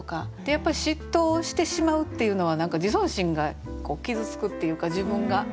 やっぱり嫉妬をしてしまうっていうのは何か自尊心が傷つくっていうか自分が。